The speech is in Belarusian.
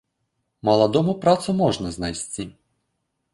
Маладому працу можна знайсці.